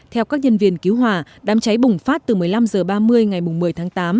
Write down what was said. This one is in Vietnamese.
theo các nhân viên cứu hỏa đám cháy bùng phát từ một mươi năm h ba mươi ngày một mươi tháng tám